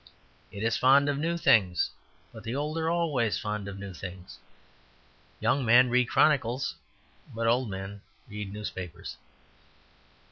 It is fond of new things; but the old are always fond of new things. Young men read chronicles, but old men read newspapers.